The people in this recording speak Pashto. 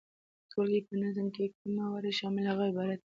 د ټولګي په نظم کي چي کوم موارد شامل دي هغه عبارت دي،